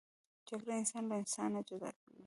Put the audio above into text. جګړه انسان له انسان جدا کوي